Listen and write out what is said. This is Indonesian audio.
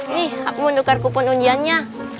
nih aku mau tukar kupon undiannya